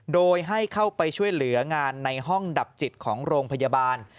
โดยให้เข้าไปช่วยเหลืองานในห้องดับจิตของโรงพยาบาล